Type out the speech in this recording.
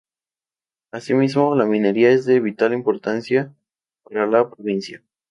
Asimismo, la minería es de vital importancia para la provincia.